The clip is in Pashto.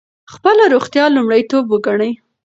خپله روغتیا لومړیتوب وګڼئ.